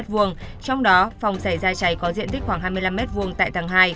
trong đó phòng xảy ra cháy có diện tích khoảng hai mươi năm m hai tại tầng hai